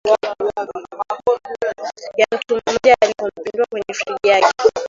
ya mtu mmoja Walipompindua kwenye friji yake